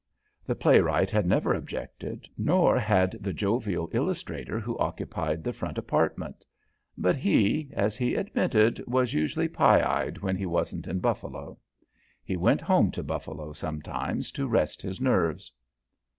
The playwright had never objected, nor had the jovial illustrator who occupied the front apartment, but he, as he admitted, "was usually pye eyed, when he wasn't in Buffalo." He went home to Buffalo sometimes to rest his nerves.